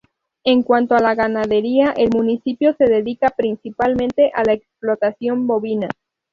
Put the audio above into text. En cuanto a la ganadería, el municipio se dedica principalmente a la explotación bovina.